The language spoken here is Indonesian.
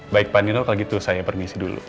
baik pak nino kalau gitu saya permisi dulu